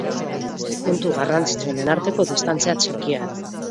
Puntu garrantzitsuenen arteko distantzia txikia da.